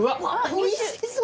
おいしそう。